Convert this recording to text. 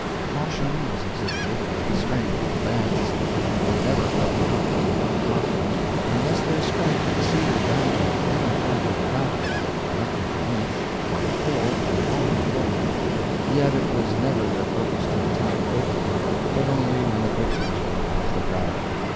Caution was exhibited in the strength of the bands. They never felt comfortable and confident unless their strength exceeded that of any party of travelers they were likely to meet by four or fivefold. Yet it was never their purpose to attack openly, but only when the victims were off their guard.